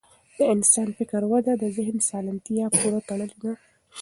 د انسان فکري وده د ذهن سالمتیا پورې تړلې ده.